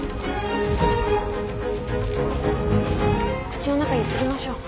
口の中ゆすぎましょう。